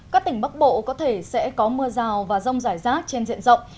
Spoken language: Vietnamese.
các tỉnh bắc bộ có thể sẽ có mưa rào và rông rải rác trên diện rộng